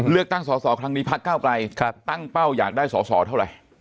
เลือกตั้งสอสอครั้งนี้พักเก้าไกลตั้งเป้าอยากได้สอสอเท่าไหร่